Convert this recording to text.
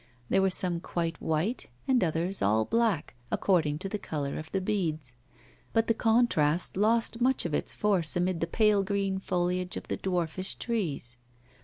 There were some quite white, and others all black, according to the colour of the beads. But the contrast lost much of its force amid the pale green foliage of the dwarfish trees.